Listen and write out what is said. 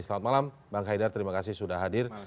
selamat malam bang haidar terima kasih sudah hadir